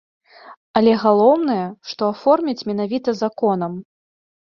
Але галоўнае, што аформяць менавіта законам.